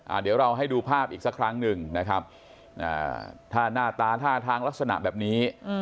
เดี๋ยวเราให้ดูภาพอีกสักครั้งหนึ่งนะครับอ่าถ้าหน้าตาท่าทางลักษณะแบบนี้